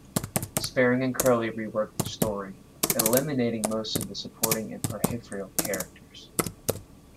Sperring and Crowley reworked the story, eliminating most of the supporting and peripheral characters.